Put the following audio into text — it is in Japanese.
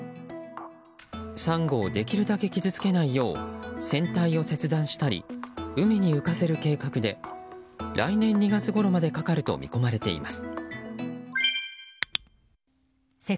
サンゴをできるだけ傷つけないよう船体を切断したり海に浮かせる計画で来年２月ごろまでかかると見込まれています。